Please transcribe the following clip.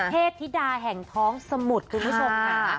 เทพธิดาแห่งท้องสมุทรคุณผู้ชมค่ะ